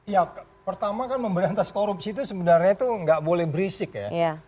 ya pertama kan memberantas korupsi itu sebenarnya itu nggak boleh berisik ya